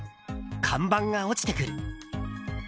看板が落ちてくる。